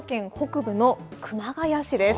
埼玉県北部の熊谷市です。